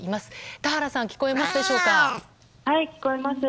田原さん、聞こえますでしょうか。